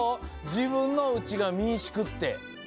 じぶんのうちがみんしゅくって。